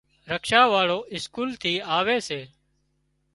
رڪشا واۯو اسڪول ٿي آوي سي۔